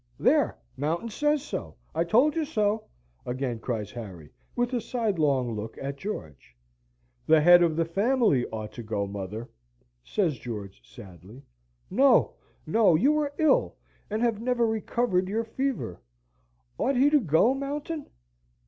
"There! Mountain says so! I told you so!" again cries Harry, with a sidelong look at George. "The head of the family ought to go, mother," says George, sadly. "No! no! you are ill, and have never recovered your fever. Ought he to go, Mountain?"